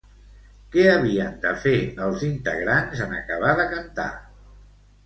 Què havien de fer els integrants en acabar de cantar?